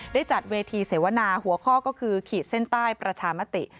ได้จัดเวทีเสวนาหัวข้อก็คือขีดเส้นใต้ประชามติ